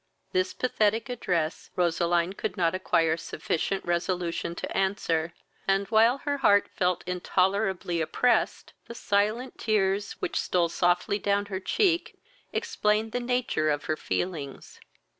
This pathetic address Roseline could not acquire sufficient resolution to answer, and, while her heart felt intolerably oppressed, the silent rears, which stole softly down her cheek, explained the nature of her feelings.